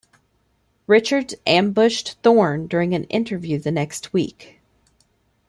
Richards ambushed Thorn during an interview the next week.